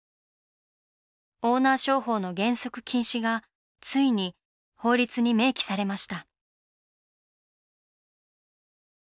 オーナー商法の原則禁止がついに法律に明記されました。